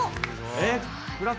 えっ！